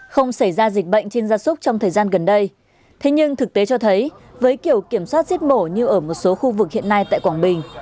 không xảy ra dịch bệnh trên gia súc trong thời gian gần đây thế nhưng thực tế cho thấy với kiểu kiểm soát giết mổ như ở một số khu vực hiện nay tại quảng bình